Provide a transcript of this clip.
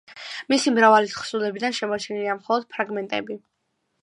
მისი მრავალი თხზულებიდან შემორჩენილია მხოლოდ ფრაგმენტები.